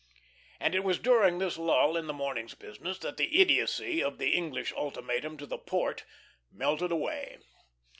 And it was during this lull in the morning's business that the idiocy of the English ultimatum to the Porte melted away.